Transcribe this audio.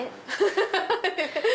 ハハハハハ！